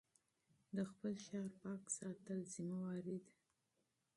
د خپل ښار پاک ساتل مسؤلیت دی.